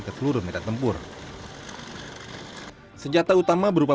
ke seluruh perjalanan